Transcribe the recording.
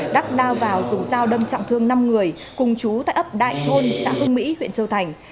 đắc lao vào dùng dao đâm trọng thương năm người cùng chú tại ấp đại thôn xã hương mỹ huyện châu thành